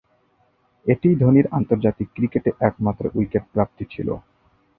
এটিই ধোনি’র আন্তর্জাতিক ক্রিকেটে একমাত্র উইকেট প্রাপ্তি ছিল।